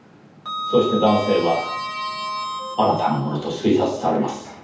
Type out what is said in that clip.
そして男性はあなたのものと推察されます。